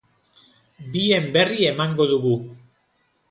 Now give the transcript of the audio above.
Bien berri emango dugu.